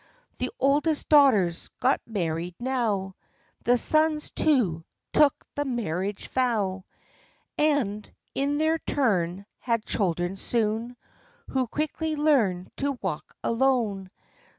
The oldest daughters got married now; The sons, too, took the marriage vow; OF CHANTICLEER. 81 And, in their tyim, had children soon, Who quickly learned to walk alone.